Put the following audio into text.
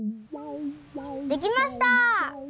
できました！